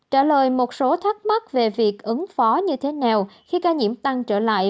trả lời một số thắc mắc về việc ứng phó như thế nào khi ca nhiễm tăng trở lại